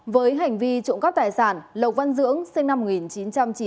với hành vi trụng cấp tài sản lộc văn dưỡng sinh năm một nghìn chín trăm chín mươi hai